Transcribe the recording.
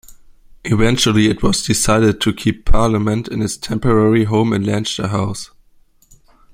Eventually it was decided to keep parliament in its temporary home in Leinster House.